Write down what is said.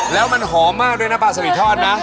แล้วมันหอมมากด้วยนะปลาสลิดทอดนะ